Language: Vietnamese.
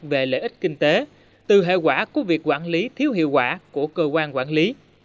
về lợi ích kinh tế từ hệ quả của việc quản lý thiếu hiệu quả của cơ quan quản lý